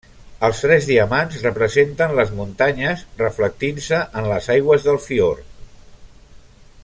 Els tres diamants representen les muntanyes reflectint-se en les aigües del fiord.